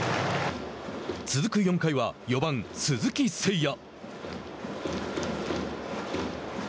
続く４回は４番、鈴木誠也。